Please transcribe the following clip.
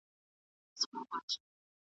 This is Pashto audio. ناسیاله دی که سیال دی زموږ انګړ یې دی نیولی .